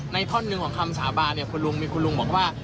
ในท่อนหนึ่งของคำสาบานมีคุณลุงบอกว่า